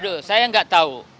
aduh saya nggak tahu